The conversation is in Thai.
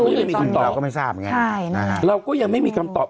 ก็ไม่รู้หรือต้องตอบเราก็ไม่ทราบไงใช่นะคะเราก็ยังไม่มีคำตอบ